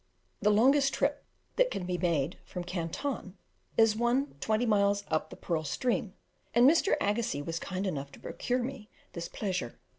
The longest trip that can be made from Canton is one twenty miles up the Pearl stream, and Mr. Agassiz was kind enough to procure me this pleasure.